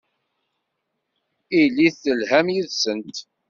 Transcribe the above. Ilit telham yid-sent.